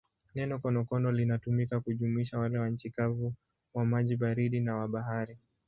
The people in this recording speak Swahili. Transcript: Neno konokono linatumika kujumuisha wale wa nchi kavu, wa maji baridi na wa bahari.